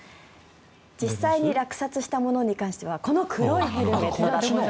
実際に落札したものに関してはこの黒いヘルメットだと。